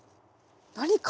何か？